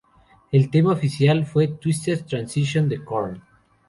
El tema oficial fue ""Twisted Transistor"" de Korn.